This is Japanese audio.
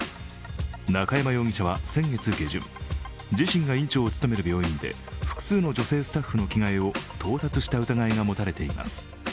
中山容疑者は先月下旬自身が院長を務める病院で複数の女性スタッフの着替えを盗撮した疑いが持たれています。